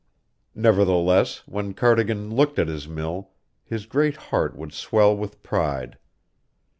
Nevertheless, when Cardigan looked at his mill, his great heart would swell with pride.